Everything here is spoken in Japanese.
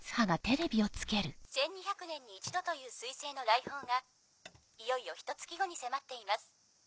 １２００年に１度という彗星の来訪がいよいよひと月後に迫っています。